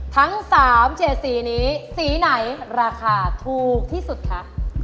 ทั้ง๓๗สีนี้สีไหนราคาถูกที่สุดคะ